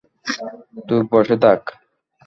তুই বসে থাক।